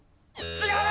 違う！